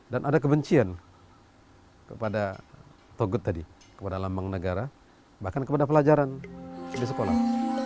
dan ada kebencian kepada togut tadi kepada lambang negara bahkan kepada pelajaran di sekolah